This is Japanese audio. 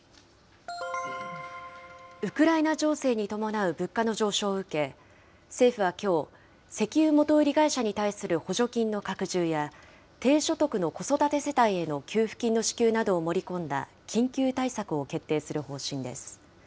ウクライナ情勢に伴う物価の上昇を受け、政府はきょう、石油元売り会社に対する補助金の拡充や、低所得の子育て世帯への給付金の支給などを盛り込んだ緊急対策を決定する方針です。